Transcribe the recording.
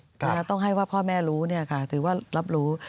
และต้องให้ว่าพ่อแม่รู้ถือว่ารับรู้